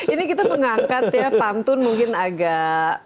ini kita mengangkat ya pantun mungkin agak